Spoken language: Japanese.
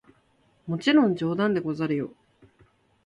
もちろん冗談でござるよ！